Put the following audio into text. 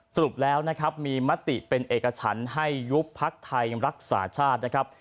สรุปแล้วนะครับมีมติเป็นเอกฉันให้ยุบพักไทยรักษาชาตินะครับ